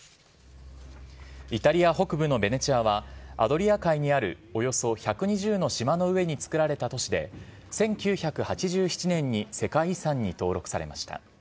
イタリア北部のベネチアは、アドリア海にあるおよそ１２０の島の上に作られた都市で、１９８７年に世界遺産に登録されました。